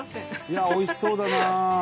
いやおいしそうだな！